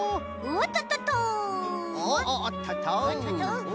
おっとっと。